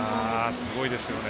すごいですよね。